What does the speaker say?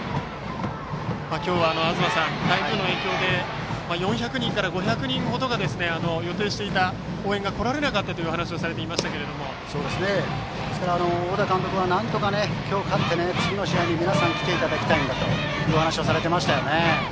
今日は東さん、台風の影響で４００人から５００人程が予定していた応援が来られなかったという話を小田監督はなんとか今日勝って次の試合に次の試合に皆さんに来ていただきたいんだと話していましたね。